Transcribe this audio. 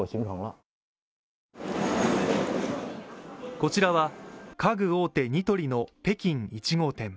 こちらは家具大手ニトリの北京１号店。